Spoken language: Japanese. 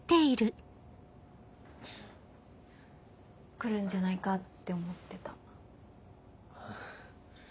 来るんじゃないかって思ってた。